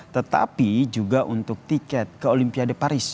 tetapi juga untuk tiket ke olimpiade paris dua ribu dua puluh empat